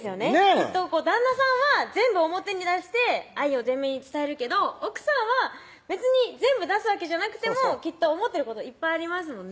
きっと旦那さんは全部表に出して愛を全面に伝えるけど奥さんは別に全部出すわけじゃなくてもきっと思ってることいっぱいありますもんね